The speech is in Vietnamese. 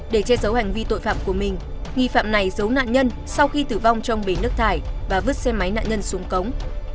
để che giấu hành vi tội phạm của mình nghi phạm này giấu nạn nhân sau khi tử vong trong bình nước thải và vứt xe máy nạn nhân xuống cống